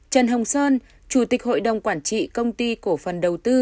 trần hồng sơn chủ tịch hội đồng quản trị công ty cổ phần đầu tư